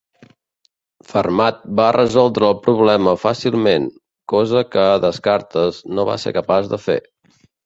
Fermat va resoldre el problema fàcilment, cosa que Descartes no va ser capaç de fer.